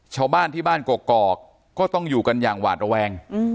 ชาวบ้านที่บ้านกอกก็ต้องอยู่กันอย่างหวาดระแวง